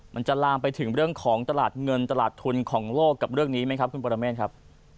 มันจะลามไปถึงเรื่องของตลาดเงินตลาดทุนของโลกกับเรื่องนี้ไหมครับคุณปรเมฆครับ